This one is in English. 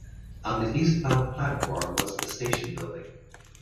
On the eastbound platform was the station building.